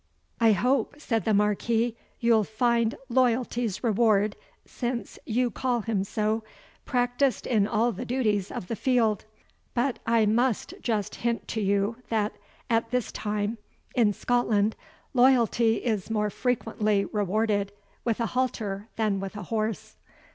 "I hope," said the Marquis, "you'll find Loyalty's Reward, since you call him so, practised in all the duties of the field, but I must just hint to you, that at this time, in Scotland, loyalty is more frequently rewarded with a halter than with a horse."